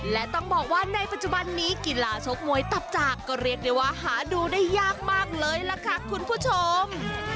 และต้องบอกว่าในปัจจุบันนี้กีฬาชกมวยตับจากก็เรียกได้ว่าหาดูได้ยากมากเลยล่ะค่ะคุณผู้ชม